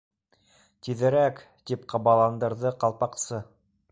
—Тиҙерәк, —тип ҡабаландырҙы Ҡалпаҡсы.